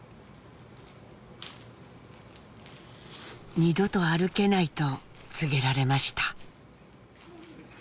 「二度と歩けない」と告げられました。